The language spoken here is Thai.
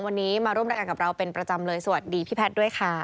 วันนี้มาร่วมรายการกับเราเป็นประจำเลยสวัสดีพี่แพทย์ด้วยค่ะ